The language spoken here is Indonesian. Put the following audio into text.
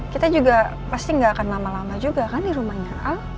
kita juga pasti nggak akan lama lama juga kan di rumahnya